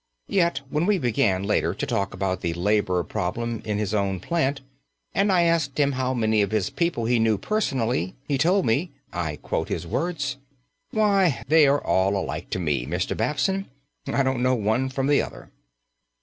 Yet when we began later to talk about the labour problem in his own plant and I asked him how many of his people he knew personally, he told me, I quote his words: "Why, they are all alike to me, Mr. Babson. I don't know one from the other."